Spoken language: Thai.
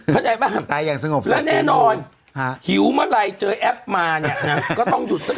เข้าใจป่ะแล้วแน่นอนหิวเมื่อไหร่เจอแอปมาเนี่ยก็ต้องหยุดสักนิด